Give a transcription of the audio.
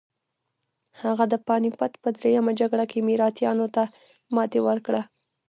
هغه د پاني پت په دریمه جګړه کې مراتیانو ته ماتې ورکړه.